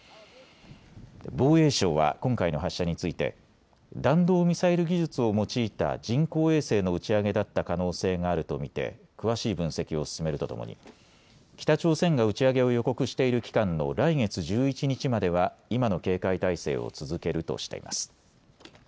防衛省は今回の発射について弾道ミサイル技術を用いた人工衛星の打ち上げだった可能性があると見て詳しい分析を進めるとともに北朝鮮が打ち上げを予告している期間の来月１１日までは今の警戒態勢を続けるとしています。